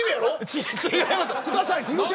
違いますよ。